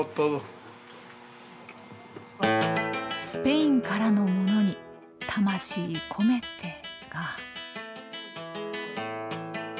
スペインからのものに魂込めてか。